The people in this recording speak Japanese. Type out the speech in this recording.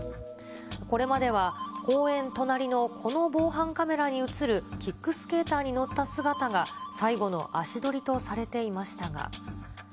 これまでは公園隣のこの防犯カメラに写るキックスケーターに乗った姿が、最後の足取りとされていましたが。